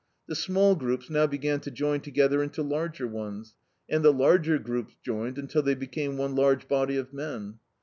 The small groups now began to join together into larger ones, and the la^er groups joined until they became one large body of men.